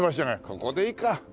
ここでいいか。